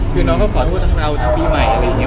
คือน้องก็ขอโทษทั้งเราทั้งพี่ใหม่